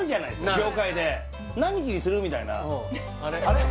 業界で「何日にする？」みたいなあれ？